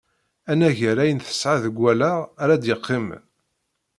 Anagar ayen tesɛa deg wallaɣ ara d-yeqqimen.